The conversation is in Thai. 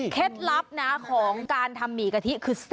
ลับนะของการทำหมี่กะทิคือ